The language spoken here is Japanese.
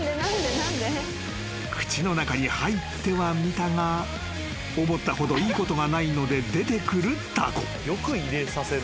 ［口の中に入ってはみたが思ったほどいいことがないので出てくるタコ］